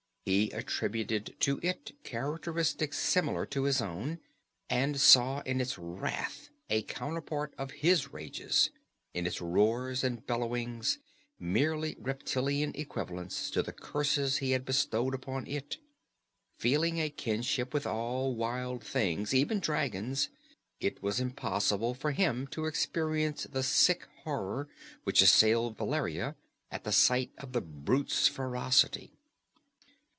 He attributed to it characteristics similar to his own, and saw in its wrath a counterpart of his rages, in its roars and bellowings merely reptilian equivalents to the curses he had bestowed upon it. Feeling a kinship with all wild things, even dragons, it was impossible for him to experience the sick horror which assailed Valeria at the sight of the brute's ferocity.